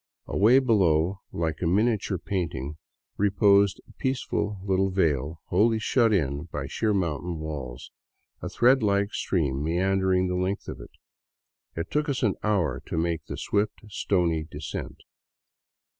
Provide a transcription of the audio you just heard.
Away below, like a miniature painting, reposed a peaceful little vale wholly shut in by sheer mountain walls, a thread like stream meander ing the length of it. It took us an hour to make the swift, stony descent.